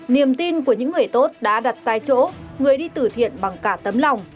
niềm tin của những người tốt đã đặt sai chỗ người đi từ thiện bằng cả tấm lòng